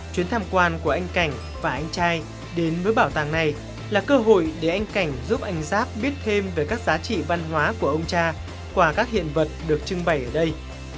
chuyến tham quan của anh cảnh và anh trai đến với bảo tàng này là cơ hội để anh cảnh giúp anh giáp biết thêm về các giá trị văn hóa của ông cha qua các hiện vật được trưng bày ở đây